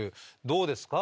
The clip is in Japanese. どうですか？